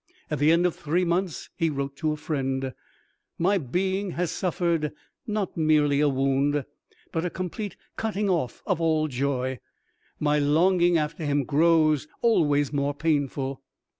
At the end of three months he wrote to a friend, "My being has suffered not merely a wound, but a complete cutting off of all joy. My longing after him grows always more painful."